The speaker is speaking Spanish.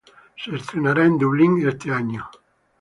Se estrenará en Dublín este año.